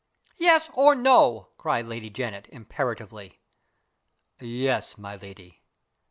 "Yes, or no?" cried Lady Janet, imperatively. "Yes, my lady."